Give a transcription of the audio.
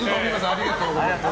ありがとうございます。